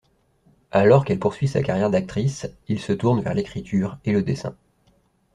Alors qu'elle poursuit sa carrière d'actrice il se tourne vers l'écriture et le dessin.